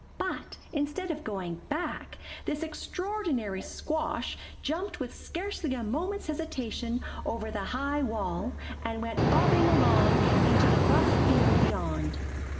But, instead of going back, this extraordinary squash jumped with scarcely a moment's hesitation over the high wall, and went bobbing along into the rough field beyond.